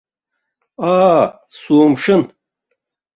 Аа, сумшьын.